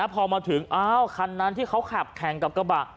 พอมาถึงอ้าวคันนั้นที่เขาขับแข่งกับกระบะ